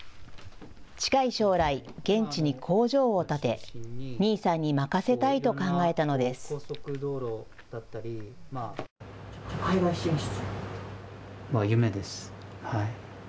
近い将来、現地に工場を建てニーさんに任せたいと考えたのです。